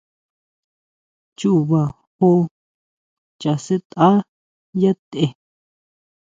Chuba jon chasʼetʼa yá te.